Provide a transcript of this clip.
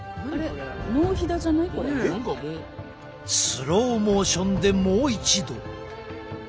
スローモーションでもう一度。